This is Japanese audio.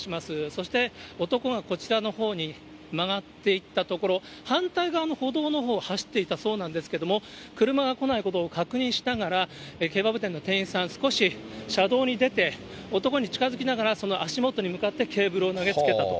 そして、男がこちらのほうに曲がっていったところ、反対側の歩道のほうを走っていたそうなんですけれども、車が来ないことを確認しながら、ケバブ店の店員さん、少し車道に出て、男に近づきながら、その足元に向かってケーブルを投げつけたと。